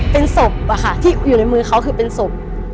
เป็นศพที่อยู่ในมือเขาคือเป็นศพ